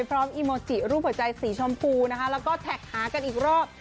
อีโมจิรูปหัวใจสีชมพูนะคะแล้วก็แท็กหากันอีกรอบ